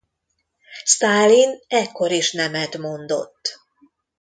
Sztálin ekkor is nemet mondott.